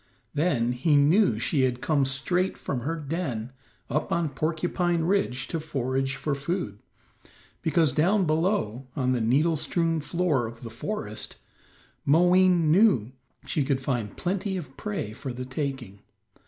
Then he knew she had come straight from her den up on Porcupine Ridge to forage for food, because down below, on the needle strewn floor of the forest, Moween knew she could find plenty of prey for the taking.